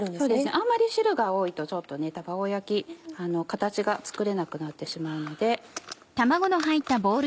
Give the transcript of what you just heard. あんまり汁が多いとちょっと卵焼き形が作れなくなってしまうので。